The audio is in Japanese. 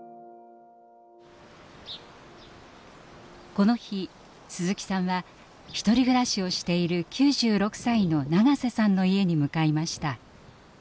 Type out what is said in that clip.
この日鈴木さんはひとり暮らしをしている９６歳の長瀬さんの家に向かいました。